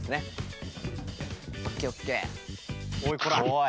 おい！